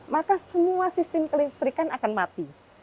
maka semua sistem kelistrikan akan mati